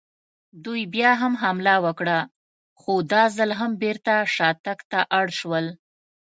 دوی بیا حمله وکړه، خو دا ځل هم بېرته شاتګ ته اړ شول.